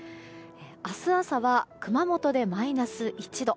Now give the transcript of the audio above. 明日朝は、熊本でマイナス１度。